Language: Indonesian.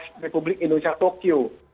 sekolah republik indonesia tokyo